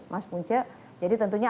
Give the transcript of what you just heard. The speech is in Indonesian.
mas punce jadi tentunya